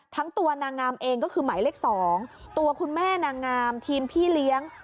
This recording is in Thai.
ทั้งตัวนางงามเองก็คือหมายเลข๒ตัวคุณแม่นางงามทีมพี่เลี้ยง